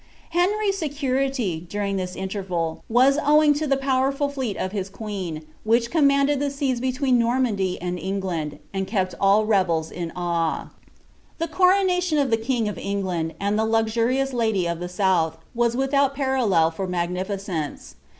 Henry's security, duringMi interval, was owing to the powerful Hcei of his qneen, which comimW the seas between Normandy and England, and kept all rebels in awe. The coronation of the king of England, and the luxuriotu lady ft the south, was withoat parallel for mBgnificence.